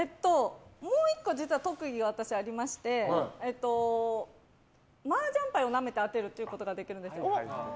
もう１個実は特技がありましてマージャン牌をなめて当てることができるんです。